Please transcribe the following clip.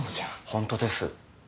ホントです。